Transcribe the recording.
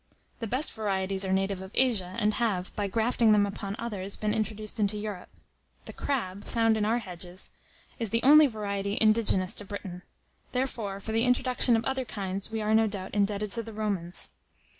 The best varieties are natives of Asia, and have, by grafting them upon others, been introduced into Europe. The crab, found in our hedges, is the only variety indigenous to Britain; therefore, for the introduction of other kinds we are, no doubt, indebted to the Romans.